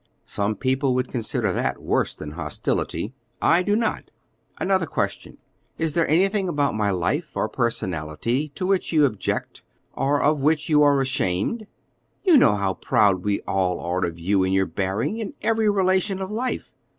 "Some people would consider that worse than hostility; I do not. Another question: Is there anything about my life or personality to which you object, or of which your are ashamed?" "You know how proud we all are of you in your bearing in every relation of life."